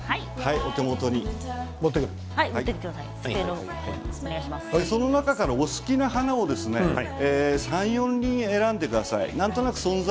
お手元にその中からお好きな花を３輪から４輪選んでください。